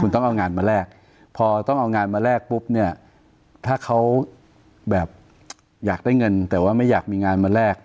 ถ้าเขาแบบอยากได้เงินแต่ว่าไม่อยากมีงานมาแลก